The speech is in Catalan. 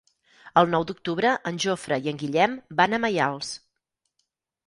El nou d'octubre en Jofre i en Guillem van a Maials.